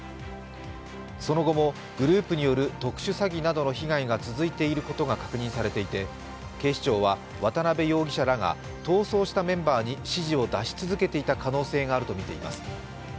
その後もグループによる特殊詐欺などの被害が続いていることが確認されていて警視庁は渡辺容疑者らが逃走したメンバーに指示を出し続けていた可能性があるとみています。